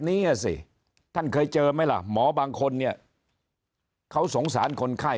เนี้ยสิท่านเคยเจอไหมล่ะหมอบางคนเนี่ยเขาสงสารคนไข้